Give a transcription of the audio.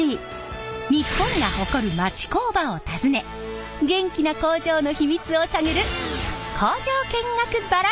日本が誇る町工場を訪ね元気な工場の秘密を探る